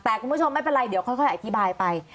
แต่คุณผู้ชมไม่เป็นไรเดี๋ยวค่อยอธิบายไป